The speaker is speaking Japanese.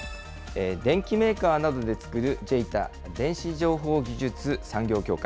電機メーカーなどで作るＪＥＩＴＡ・電子情報技術産業協会。